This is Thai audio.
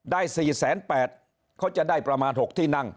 ได้สี่แสนแปดเขาจะได้ประมาณหกที่นั่ง